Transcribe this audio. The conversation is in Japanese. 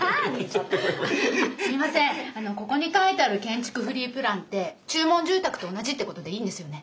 ここに書いてある「建築フリープラン」って注文住宅と同じってことでいいんですよね？